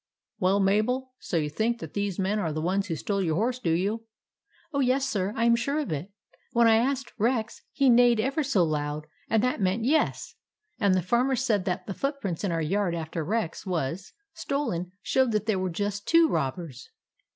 " Well, Mabel, so you think that these men are the ones who stole your horse, do you? " Oh, yes, sir ! I am sure of it. When I asked Rex, he neighed ever so loud, and that meant 'yes/ And the Farmer said that the footprints in our yard after Rex was 74 THE ADVENTURES OF MABEL stolen showed that there were just two robbers.